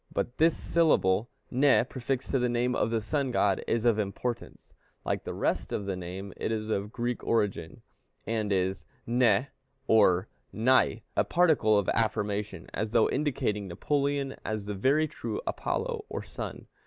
But this syllable Ne prefixed to the name of the sun god is of importance; like the rest of the name it is of Greek origin, and is νη or ναι, a particle of affirmation, as though indicating Napoleon as the very true Apollo, or sun.